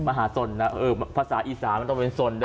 มหาศนเออภาษาอีสามันต้องเป็นศนด้วย